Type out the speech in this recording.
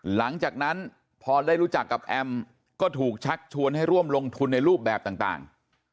หลังจากนั้นพอได้รู้จักกับแอมก็ถูกชักชวนให้ร่วมลงทุนในรูปแบบต่าง